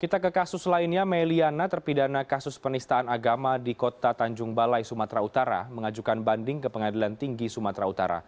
kita ke kasus lainnya meliana terpidana kasus penistaan agama di kota tanjung balai sumatera utara mengajukan banding ke pengadilan tinggi sumatera utara